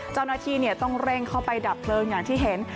เจ้าหน้าที่ต้องเร่งเข้าไปดับเพลิงอย่างที่เห็น